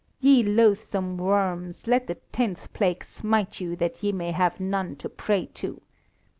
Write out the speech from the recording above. Ye loathsome worms, let the tenth plague smite you that ye may have none to pray to.